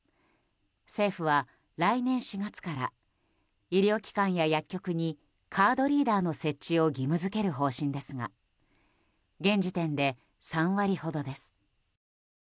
政府は来年４月から医療機関や薬局にカードリーダーの設置を義務付ける方針ですが現時点で３割ほどです。